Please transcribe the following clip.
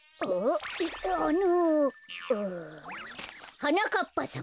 「はなかっぱさま